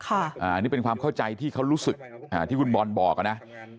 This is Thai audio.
อันนี้เป็นความเข้าใจที่เขารู้สึกที่คุณบอลบอกนะ